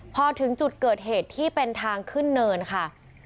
พอถึงจุดเกิดเหตุที่เป็นทางขึ้นเนินค่ะ